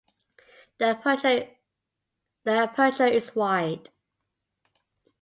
The aperture is wide.